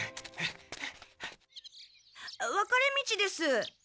分かれ道です。